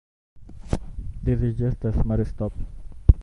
This injustice must stop.